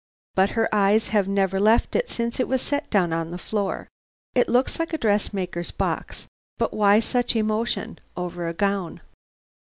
But her eyes have never left it since it was set down on the floor. It looks like a dressmaker's box, but why such emotion over a gown?